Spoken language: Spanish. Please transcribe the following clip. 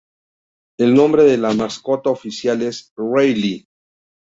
El nombre de la mascota oficial es "Rally".